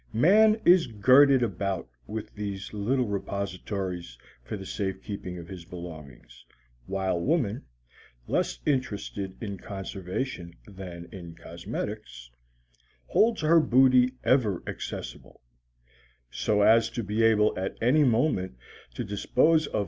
Man is girded about with these little repositories for the safekeeping of his belongings; while woman, less interested in conservation than in cosmetics, holds her booty ever accessible, so as to be able at any moment to dispose of $3.